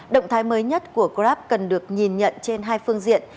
động thái mới nhất của grab cần được nhìn nhận trên hai phương diện